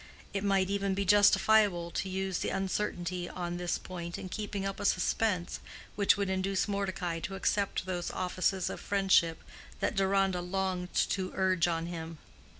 It might even be justifiable to use the uncertainty on this point in keeping up a suspense which would induce Mordecai to accept those offices of friendship that Deronda longed to urge on him.